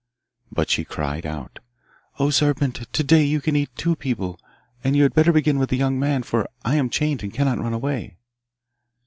But she cried out, 'O serpent, to day you can eat two people. And you had better begin with the young man, for I am chained and cannot run away.